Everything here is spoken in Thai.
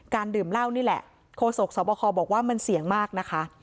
ดื่มเหล้านี่แหละโคศกสวบคบอกว่ามันเสี่ยงมากนะคะ